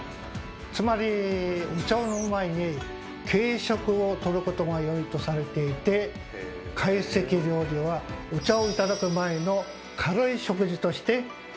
つまりお茶を飲む前に軽食をとることがよいとされていて懐石料理はお茶を頂く前の「軽い食事」として定着していったんです。